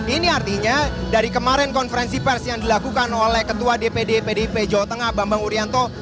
ini artinya dari kemarin konferensi pers yang dilakukan oleh ketua dpd pdip jawa tengah bambang urianto